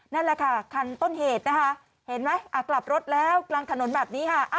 นั่นแหละค่ะคันต้นเหตุนะคะเห็นไหมกลับรถแล้วกลางถนนแบบนี้ค่ะ